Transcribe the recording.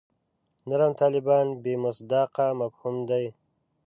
نرم طالبان بې مصداقه مفهوم دی.